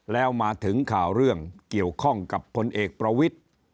แล้วมาถึงข่าวเรื่องเกี่ยวข้องกับพลเอกประวิทธิ์